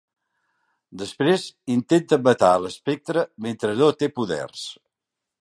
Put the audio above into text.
Després intenten matar a l'Espectre mentre no té poders.